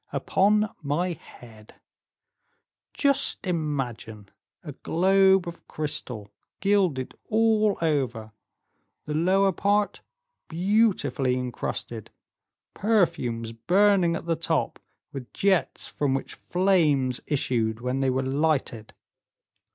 "Upon my head. Just imagine, a globe of crystal, gilded all over, the lower part beautifully encrusted, perfumes burning at the top, with jets from which flame issued when they were lighted."